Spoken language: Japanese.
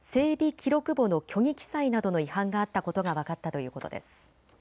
記録簿の虚偽記載などの違反があったことが分かったということです。